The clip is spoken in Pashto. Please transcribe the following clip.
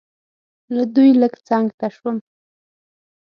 له دوی لږ څنګ ته شوم.